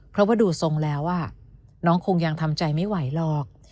เพราะว่าดูทรงแล้วน้องคงยังทำใจไม่ไหวหรอก